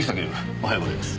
おはようございます。